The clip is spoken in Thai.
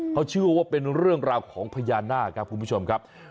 เขาเชื่อว่าเป็นเรื่องราวของพญานาคครับคุณผู้ชมครับ